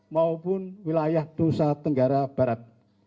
maupun wilayah nusa tenggara barat